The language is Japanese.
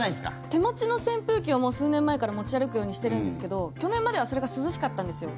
手持ちの扇風機を数年前から持ち歩くようにしているんですけど去年まではそれが涼しかったんですよ。